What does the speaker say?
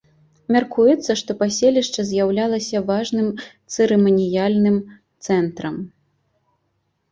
Мяркуецца, што паселішча з'яўлялася важным цырыманіяльным цэнтрам.